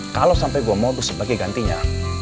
kalau sampai gue modus sebagai gantinya